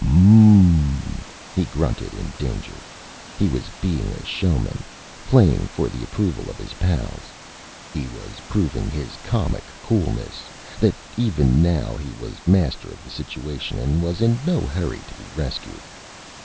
"Ummm!" he grunted. In danger, he was being the showman, playing for the approval of his pals. He was proving his comic coolness that even now he was master of the situation, and was in no hurry to be rescued.